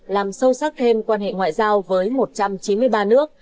làm sâu sắc thêm quan hệ ngoại giao với một trăm chín mươi ba nước